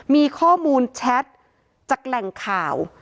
มีข้อมูลแชทจากแหล่งข่าว